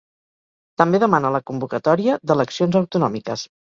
També demana la convocatòria d’eleccions autonòmiques.